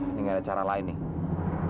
ini gak ada cara lain nih